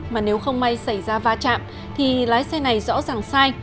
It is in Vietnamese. mà nếu không may xảy ra va chạm thì lái xe này rõ ràng sai